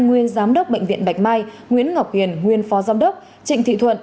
nguyên giám đốc bệnh viện bạch mai nguyễn ngọc hiền nguyên phó giám đốc trịnh thị thuận